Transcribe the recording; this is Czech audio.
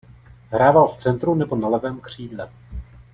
Hrával v centru nebo na levém křídle.